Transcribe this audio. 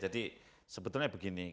jadi sebetulnya begini